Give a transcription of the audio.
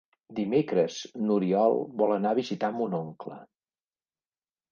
Dimecres n'Oriol vol anar a visitar mon oncle.